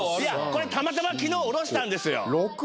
これたまたま昨日下ろしたんですよ。